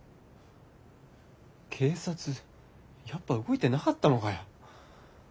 警察やっぱ動いてなかったのかよ。